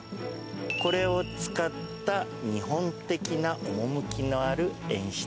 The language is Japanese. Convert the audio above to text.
これを使った日本的な趣のある演出でございます。